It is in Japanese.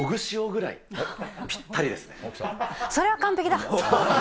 それは完璧だ。